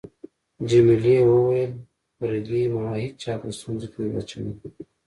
جميلې وويل: فرګي، ما هیچا په ستونزو کي نه ده اچولی.